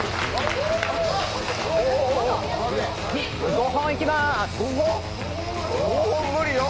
５本いきます！